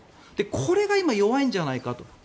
これが今、弱いんじゃないかと。